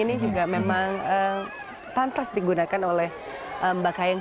ini juga memang pantas digunakan oleh mbak kayang